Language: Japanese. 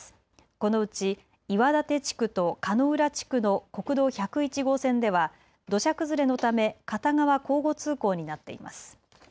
このうち岩館地区と鹿の浦地区の国道１０１号線では土砂崩れのため片側交互通行になっています。